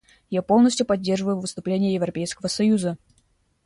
Я полностью поддерживаю выступление Европейского союза.